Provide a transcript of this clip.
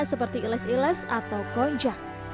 seperti iles iles atau konjak